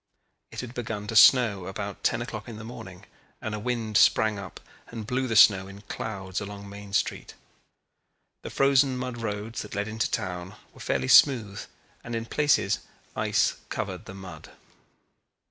It had begun to snow about ten o'clock in the morning and a wind sprang up and blew the snow in clouds along Main Street. The frozen mud roads that led into town were fairly smooth and in places ice covered the mud.